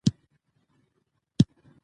یو له بله بېلېدل سوه د دوستانو